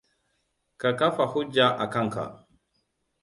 Ka kafa hujja a kanka!